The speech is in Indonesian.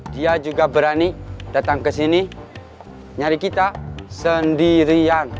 dia juga berani datang ke sini nyari kita sendirian